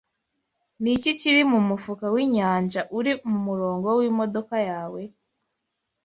Niki kiri mumufuka winyanja uri mumurongo wimodoka yawe?